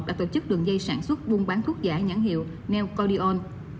đã tổ chức đường dây sản xuất buôn bán thuốc giả nhãn hiệu neocordion